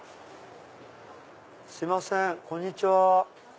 すいませんこんにちは。